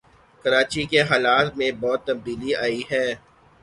کراچی کے حالات میں بہت تبدیلی آئی ہے